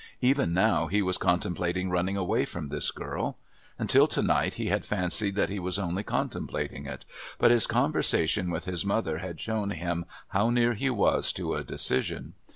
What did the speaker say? Even now he was contemplating running away with this girl. Until to night he had fancied that he was only contemplating it, but his conversation with his mother had shown him how near he was to a decision.